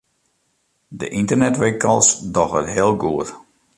De ynternetwinkels dogge it heel goed.